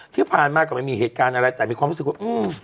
ที่ผ่านมาก็ไม่มีเหตุการณ์อะไรแต่มีความรู้สึกว่าอืม